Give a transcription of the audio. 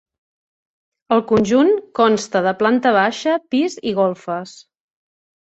El conjunt consta de planta baixa, pis i golfes.